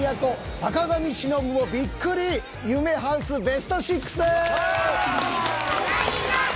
坂上忍もびっくり夢ハウスベスト６！